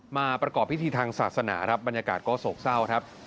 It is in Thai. มาประกอบพิธีทางศาสนาครับบรรยากาศก็โศกเศร้าครับ